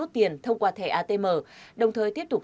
thông qua thẻ atm đồng thời tiếp tục